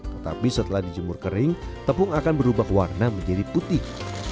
tetapi setelah dijemur kering tepung akan berubah warna menjadi putih